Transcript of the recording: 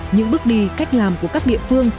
những bước đi cách làm của các địa phương